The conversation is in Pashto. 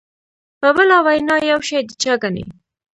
په بله وینا یو شی د چا ګڼي.